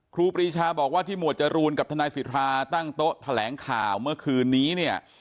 ครูปรีชาบอกว่าที่หมวดจรูนกับทนายสิทธาตั้งโต๊ะแถลงข่าวเมื่อคืนนี้เนี่ย